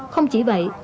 không chỉ vậy